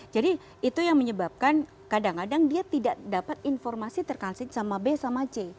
jadi itu yang menyebabkan kadang kadang dia tidak dapat informasi terkhasilkan sama b sama c